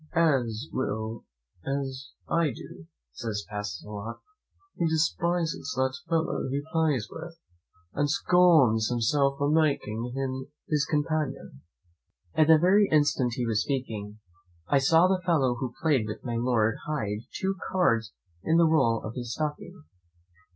"As well as I do," says Pacolet. "He despises that fellow he plays with, and scorns himself for making him his companion." At the very instant he was speaking, I saw the fellow who played with my Lord hide two cards in the roll of his stocking.